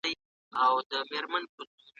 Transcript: ملي توليدات نړيوالو بازارونو ته صادريږي.